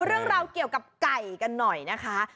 เรื่องราวเกี่ยวกับไก่กันหน่อยนะคะ